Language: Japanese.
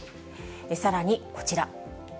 さらにこちら。